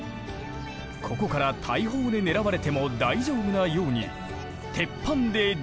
ここから大砲で狙われても大丈夫なように鉄板で重武装。